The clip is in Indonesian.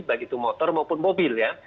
baik itu motor maupun mobil ya